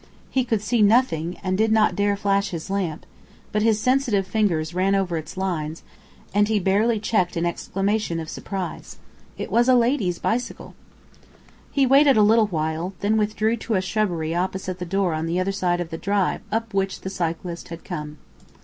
He could see nothing, and did not dare flash his lamp, but his sensitive fingers ran over its lines, and he barely checked an exclamation of surprise. It was a lady's bicycle! He waited a little while, then withdrew to a shrubbery opposite the door on the other side of the drive up which the cyclist had come.